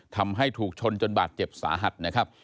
ทำให้ถูกชนจนบาดเจ็บสาหัสนะครับ